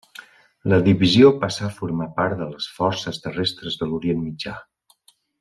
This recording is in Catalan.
La divisió passà a formar part de les Forces Terrestres de l'Orient Mitjà.